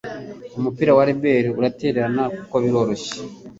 Umupira wa reberi uratera kuko biroroshye.